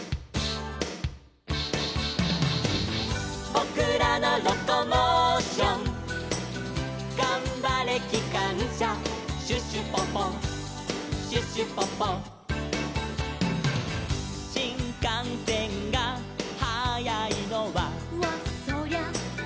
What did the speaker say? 「ぼくらのロコモーション」「がんばれきかんしゃ」「シュシュポポシュシュポポ」「しんかんせんがはやいのは」